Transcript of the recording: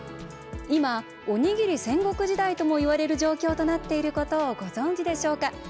今、おにぎり戦国時代ともいわれる状況となっていることをご存じでしょうか？